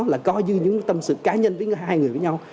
là coi như những tâm sự cá nhân tiếng hai người với nhau